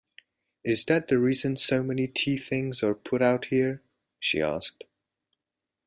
‘Is that the reason so many tea-things are put out here?’ she asked.